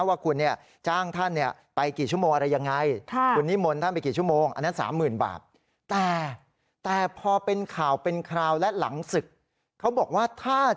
ว่าคุณจ้างท่านไปกี่ชั่วโมงอะไรยังไง